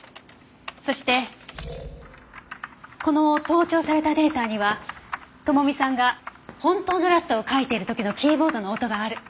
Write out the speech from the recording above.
そしてこの盗聴されたデータには智美さんが本当のラストを書いている時のキーボードの音がある。